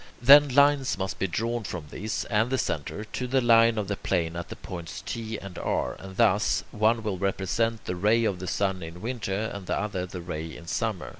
Then lines must be drawn from these (and the centre) to the line of the plane at the points T and R, and thus, one will represent the ray of the sun in winter, and the other the ray in summer.